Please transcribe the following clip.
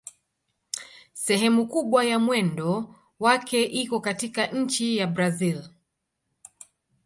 Sehemu kubwa ya mwendo wake iko katika nchi ya Brazil.